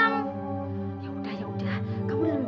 kamu kenapa sih nalapin ini